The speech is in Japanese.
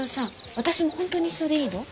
私も本当に一緒でいいの？